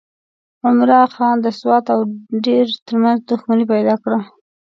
عمرا خان د سوات او دیر ترمنځ دښمني پیدا کړه.